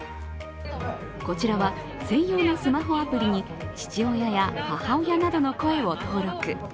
こちらは専用のスマホアプリに父親や母親などの声を登録。